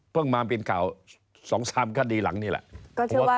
มาเป็นข่าว๒๓คดีหลังนี่แหละ